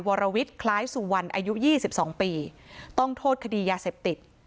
วรวิทย์คล้ายสุวรรณอายุ๒๒ปีต้องโทษคดียาเสพติด